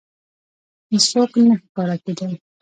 هېڅوک نه ښکاره کېدل.